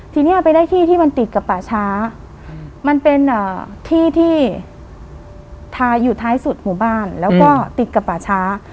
ทีนี้ไปได้ที่ที่มันติดกับป่าช้ามันเป็นที่ที่ทาอยู่ท้ายสุดหมู่บ้านแล้วก็ติดกับป่าช้า